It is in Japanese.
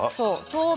そう。